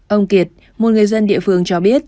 ông kiệt một người dân địa phương cho biết